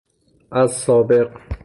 از سابق